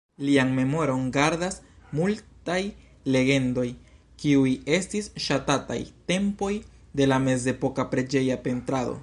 Lian memoron gardas multaj legendoj, kiuj estis ŝatataj tempoj de la mezepoka preĝeja pentrado.